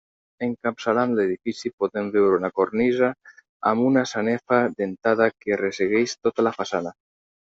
Encapçalant l'edifici podem veure una cornisa amb una sanefa dentada que ressegueix tota la façana.